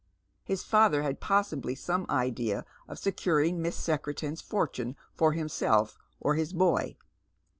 His father had possibly some idea of securing Miss Secretan's fortune for himself or his boy.